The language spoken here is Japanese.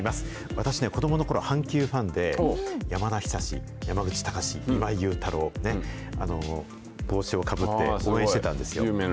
私は子どものころ、阪神ファンで、、山口たかし、いまいゆうたろう、帽子をかぶって応援してたんですよ。